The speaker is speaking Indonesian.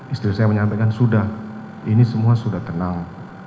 istri saya menyampaikan sudah ini semua sudah tenang